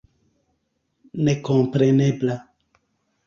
nekomprenebla